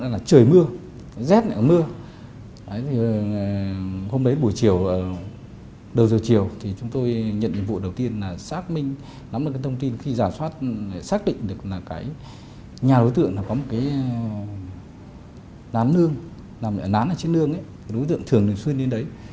đầu giờ chiều thì chúng tôi nhận nhiệm vụ đầu tiên là xác minh lắm được cái thông tin khi giả soát xác định được là cái nhà đối tượng là có một cái lán lương lán là chiếc lương ấy đối tượng thường đường xuyên lên đấy